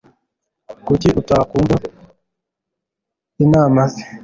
Kuki utakwumva inama ze?